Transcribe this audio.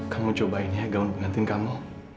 kamu cobain ya gaun peringatan kamu